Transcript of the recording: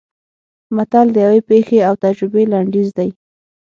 متل د یوې پېښې او تجربې لنډیز دی